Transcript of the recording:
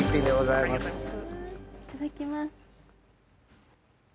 いただきます。